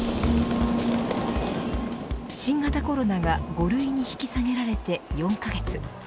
新型コロナが５類に引き下げられて４カ月。